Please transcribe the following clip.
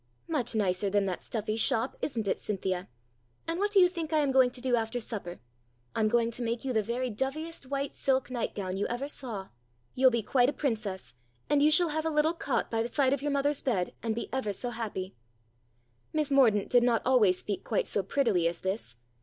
"Much nicer than that stuffy shop, isn't it, Cynthia ? And what do you think I am going to do after supper? I'm going to make you the very doviest white silk nightgown you ever saw. You'll be quite a princess, and you shall have a little cot by the side of your mother's bed, and be ever so happy." Miss Mordaunt did not always speak quite so prettily as this.